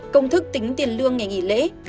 công thức tính tiền lương ngày nghỉ lễ